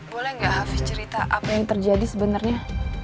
boleh nggak hafiz cerita apa yang terjadi sebenarnya